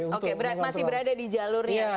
oke masih berada di jalurnya